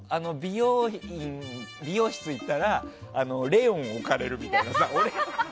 美容室に行ったら「レオン」を置かれるみたいなさ。